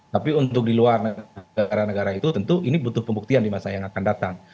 tapi untuk di luar negara negara itu tentu ini butuh pembuktian di masa yang akan datang